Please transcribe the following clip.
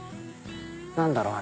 何だろう？